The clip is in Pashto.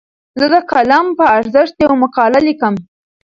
زه د قلم په ارزښت یوه مقاله لیکم.